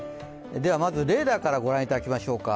まずレーダーから御覧いただきましょうか。